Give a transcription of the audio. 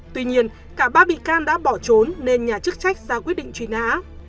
tuy nhiên cả ba bị can đã bỏ trốn nên nhà chức trách ra quyết định truy nã